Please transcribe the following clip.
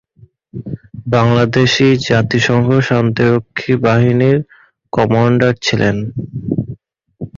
বাংলাদেশী জাতিসংঘ শান্তিরক্ষী বাহিনীর কমান্ডার ছিলেন।